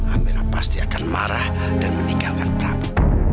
amira pasti akan marah dan meninggalkan prabu